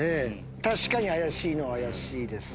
確かに怪しいのは怪しいですね。